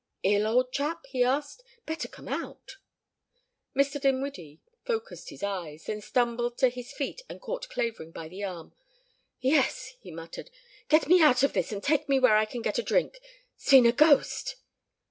"Ill, old chap?" he asked. "Better come out." Mr. Dinwiddie focussed his eyes, then stumbled to his feet and caught Clavering by the arm. "Yes," he muttered. "Get me out of this and take me where I can get a drink. Seen a ghost."